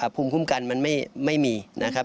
ภูมิคุ้มกันมันไม่มีนะครับ